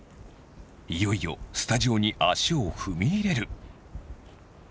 いよいよスタジオに足を踏み入れる。